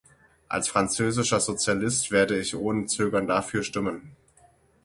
Als französischer Sozialist werde ich ohne Zögern dafür stimmen.